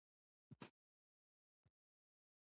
پیرودونکی تل د کیفیت پلوي وي.